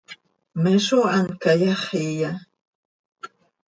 ¿Me zó hant cayáxiya?